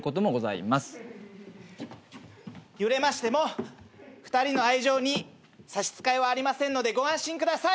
揺れましても２人の愛情に差し支えはありませんのでご安心ください！